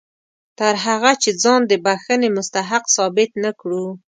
تر هغه چې ځان د بښنې مستحق ثابت نه کړو.